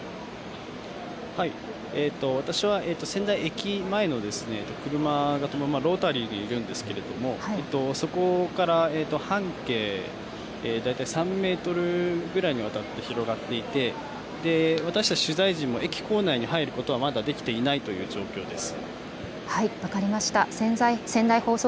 私は仙台駅前のロータリーにいるんですがそこから半径、大体３メートルぐらいにわたって広がっていて私たち取材陣も駅構内に入ることはまだできていないという状況です。